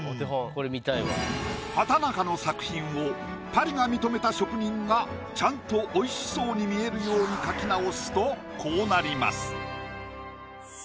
畠中の作品をパリが認めた職人がちゃんとおいしそうに見えるように描き直すとこうなります。